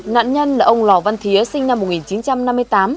nạn nhân là ông lò văn thía sinh năm một nghìn chín trăm năm mươi tám